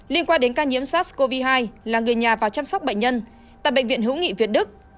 liên quan đến ca nhiễm sars cov hai là người nhà và chăm sóc bệnh nhân tại bệnh viện hữu nghị việt đức